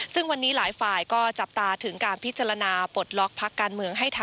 ซึ่งวันนี้หลายฝ่ายก็จับตาถึงการพิจารณาปลดล็อกพักการเมืองให้ทัน